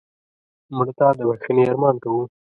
مړه ته د بښنې ارمان کوو